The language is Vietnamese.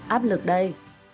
áp lực đây